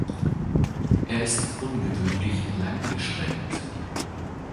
Er ist ungewöhnlich langgestreckt.